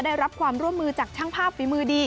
ได้รับความร่วมมือจากช่างภาพฝีมือดี